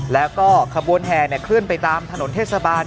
แล้วก็ขบวนแห่เคลื่อนไปตามถนนเทศบาล